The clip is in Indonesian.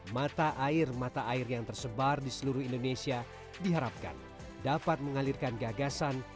mata air mata air yang tersebar di seluruh indonesia diharapkan dapat mengalirkan gagasan